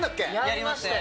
やりましたよ。